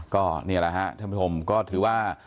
ก็นี่แหละธรรมศมก็ถือว่า